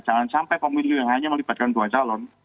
jangan sampai pemilu yang hanya melibatkan dua calon